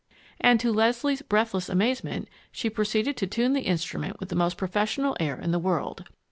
And, to Leslie's breathless amazement, she proceeded to tune the instrument with the most professional air in the world.